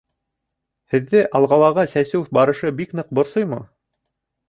Һеҙҙе «Алға»лағы сәсеү барышы бик ныҡ борсоймо?